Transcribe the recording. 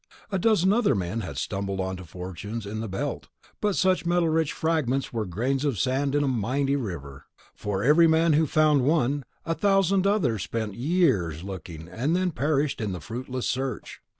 A dozen other men had stumbled onto fortunes in the Belt ... but such metal rich fragments were grains of sand in a mighty river. For every man who found one, a thousand others spent years looking and then perished in the fruitless search.